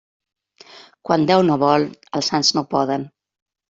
Quan Déu no vol, els sants no poden.